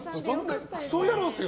クソ野郎っすよ